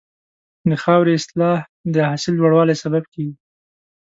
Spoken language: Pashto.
د خاورې اصلاح د حاصل لوړوالي سبب کېږي.